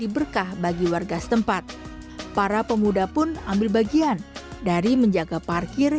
dan membuatnya menjadi berkah bagi warga setempat para pemuda pun ambil bagian dari menjaga parkir